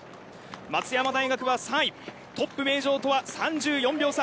松山大学は３位トップ名城とは３４秒差